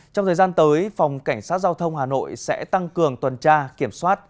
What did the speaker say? trong thời gian tới phòng cảnh sát giao thông hà nội sẽ tăng cường tuần tra kiểm soát